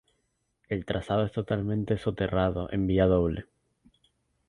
El trazado es totalmente soterrado en vía doble.